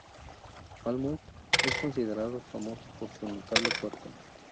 Falmouth es considerado famoso por su notable puerto.